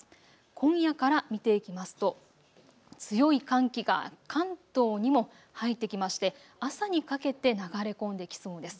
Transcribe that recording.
今夜から見ていきますと強い寒気が関東にも入ってきまして朝にかけて流れ込んできそうです。